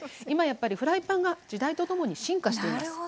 今やっぱりフライパンが時代とともに進化しています。